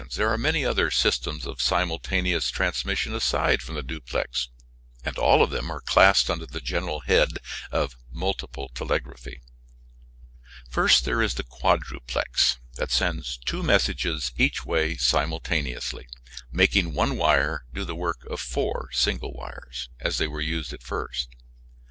There are many other systems of simultaneous transmission aside from the duplex, and all of them are classed under the general head of multiple telegraphy. First there is the quadruplex, that sends two messages each way simultaneously, making one wire do the work of four single wires as they were used at first.